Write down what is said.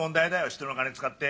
人の金使ってよぉ。